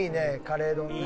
カレー丼ね」